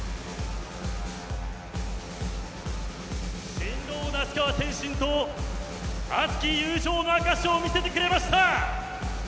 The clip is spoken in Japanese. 神童・那須川天心と熱き友情の証しを見せてくれました。